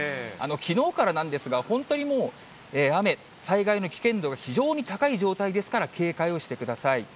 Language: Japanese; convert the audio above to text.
きのうからなんですが、本当にもう雨、災害の危険度が非常に高い状態ですから、警戒をしてください。